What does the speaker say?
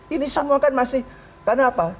ini semua kan masih karena apa